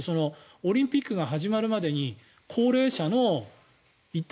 オリンピックが始まるまでに高齢者の一体